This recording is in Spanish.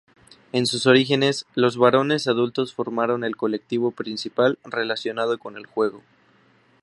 En sus orígenes, los varones adultos formaron el colectivo principal relacionado con el juego.